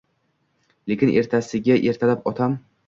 Lekin ertasiga ertalab otam